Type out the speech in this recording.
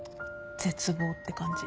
絶望って感じ。